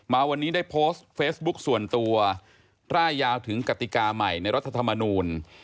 มาวันนี้ได้โพสต์เฟซบุ๊คส่วนตัวร่ายยาวถึงกติกาใหม่ในรัฐธรรมนูล